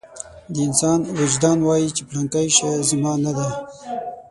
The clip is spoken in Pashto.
د انسان وجدان وايي چې پلانکی شی زما نه دی.